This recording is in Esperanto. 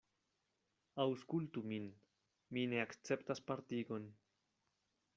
Aŭskultu min; mi ne akceptas partigon.